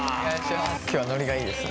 今日はノリがいいですね。